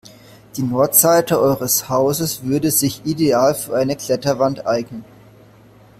Die Nordseite eures Hauses würde sich ideal für eine Kletterwand eignen.